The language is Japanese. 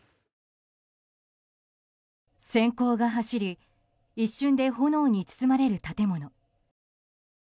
閃光が走り一瞬で炎に包まれる建物。